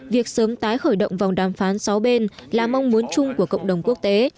việc sớm tái khởi động vòng đàm phán sáu bên là mong muốn chung của cộng đồng quốc tế